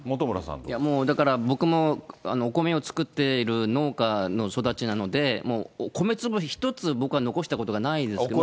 もうだから、僕もお米を作っている農家の育ちなので、もう米粒１つ僕は残したことがないですけれども。